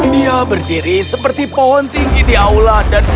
dia berdiri seperti pohon tinggi di aula dan berkata